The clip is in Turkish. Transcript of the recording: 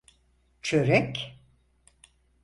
Çörek…